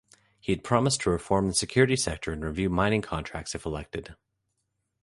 He had promised to reform the security sector and review mining contracts if elected.